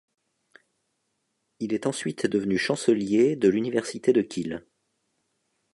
Il est ensuite devenu Chancelier de l'université de Keele.